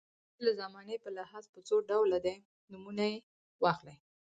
فعل د زمانې په لحاظ په څو ډوله دی نومونه واخلئ.